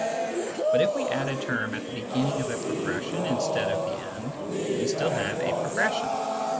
But if we add a term at the beginning of a progression instead of the end, we still have a progression.